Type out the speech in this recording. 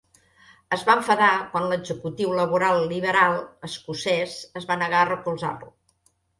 Es va enfadar quan l'executiu laboral-liberal escocès es va negar a recolzar-lo.